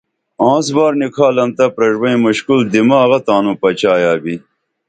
آنسبار نِکھالن تہ پریݜبئیں مُشکُل دماغہ تاںوں بِچایا بی